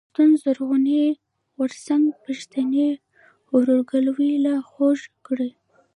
پښتون ژغورني غورځنګ پښتني ورورګلوي لا خوږه کړه.